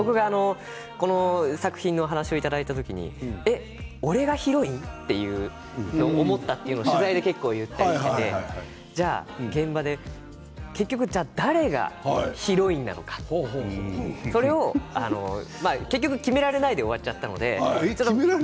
この作品のお話をいただいた時にえ、俺がヒロイン？と思ったというのを取材で言っていて現場で結局、誰がヒロインなのかそれを結局決められないで終わっちゃったので。